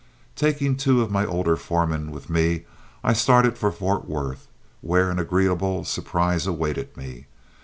Taking two of my older foremen with me, I started for Fort Worth, where an agreeable surprise awaited me.